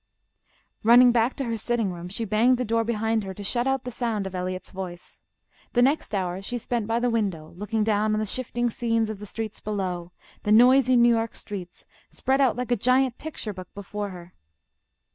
Running back to her sitting room, she banged the door behind her to shut out the sound of Eliot's voice. The next hour she spent by the window, looking down on the shifting scenes of the streets below, the noisy New York streets, spread out like a giant picture book before her.